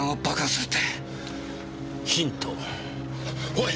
おい！